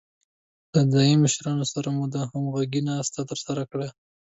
له ځايي مشرانو سره مو د همغږۍ ناسته ترسره کړه.